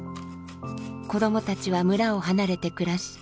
子どもたちは村を離れて暮らし